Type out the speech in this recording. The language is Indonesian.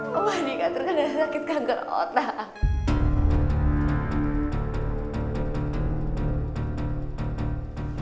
pak andika terkena sakit kanker otak